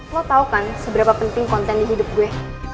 lo tau kan seberapa penting konten di hidup gue